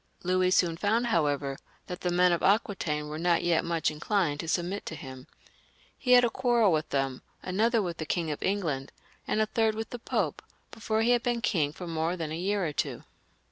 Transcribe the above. Louis soon found, however, that the men of Aquitaine were not yet much inclined to submit to him. He had a XV.] LOUIS VII, {LE JEUNE), 83 quarrel with them, another with the King of England, and a third with the Pope, before he had been king for more than a year or two.